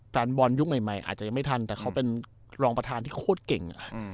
แฟนบอลยุคใหม่อาจจะยังไม่ทันแต่เขาเป็นรองประธานที่โคตรเก่ง